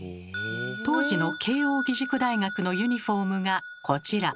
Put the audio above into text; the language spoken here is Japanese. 当時の慶應義塾大学のユニフォームがこちら。